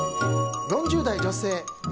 ４０代女性。